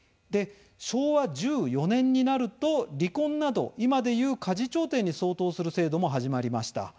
昭和１４年になると、離婚など今でいう家事調停に相当する制度も始まりました。